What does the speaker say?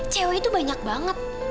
cewek itu banyak banget